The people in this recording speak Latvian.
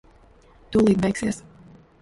Tūlīt beigsies.